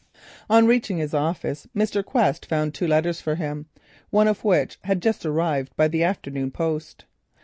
On reaching his office, Mr. Quest found two letters for him, one of which had just arrived by the afternoon post.